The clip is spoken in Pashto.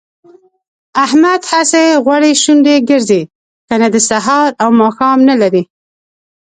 احمد هسې غوړې شونډې ګرځي، ګني د سهار او ماښام نه لري